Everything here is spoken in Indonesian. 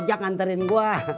si ojak nganterin gue